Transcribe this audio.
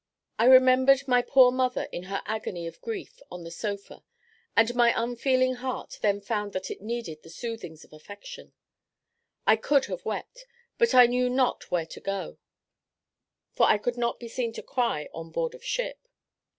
I remembered my poor mother in her agony of grief, on the sofa; and my unfeeling heart then found that it needed the soothings of affection. I could have wept, but I knew not where to go; for I could not be seen to cry on board of ship.